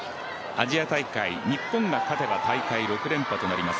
アジア大会、日本が勝てば大会６連覇となります。